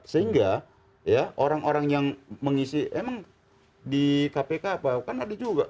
sehingga ya orang orang yang mengisi emang di kpk apa kan ada juga